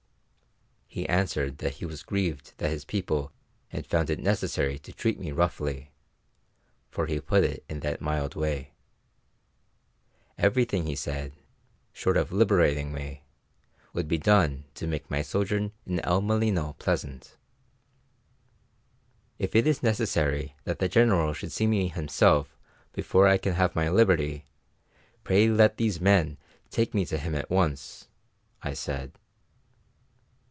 He answered that he was grieved that his people had found it necessary to treat me roughly, for he put it in that mild way. Everything, he said, short of liberating me, would be done to make my sojourn in El Molino pleasant. "If it is necessary that the General should see me himself before I can have my liberty, pray let these men take me to him at once," I said.